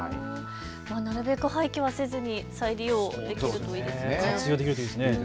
なるべく廃棄はせず再利用できるといいですよね。